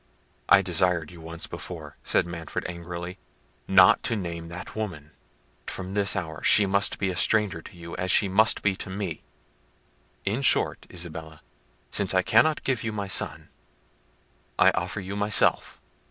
"I desired you once before," said Manfred angrily, "not to name that woman: from this hour she must be a stranger to you, as she must be to me. In short, Isabella, since I cannot give you my son, I offer you myself."